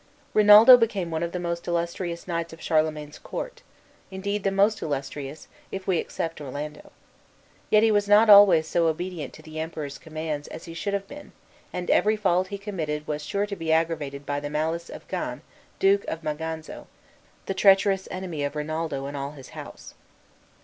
Rinaldo became one of the most illustrious knights of Charlemagne's court, indeed, the most illustrious, if we except Orlando. Yet he was not always so obedient to the Emperor's commands as he should have been, and every fault he committed was sure to be aggravated by the malice of Gan, Duke of Maganza, the treacherous enemy of Rinaldo and all his house.